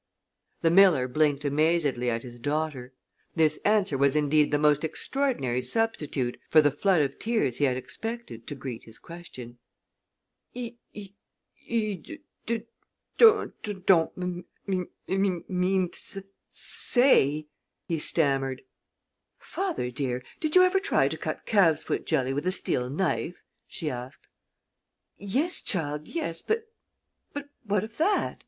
The miller blinked amazedly at his daughter. This answer was indeed the most extraordinary substitute for the floods of tears he had expected to greet his question. "You you you dud don't m m mean to sus say " he stammered. "Father, dear, did you ever try to cut calves foot jelly with a steel knife?" she asked. "Yes, child, yes but what of that?"